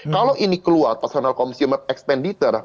kalau ini keluar personal consumer expenditer